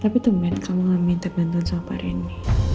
tapi teman kamu gak minta bantuan sampai hari ini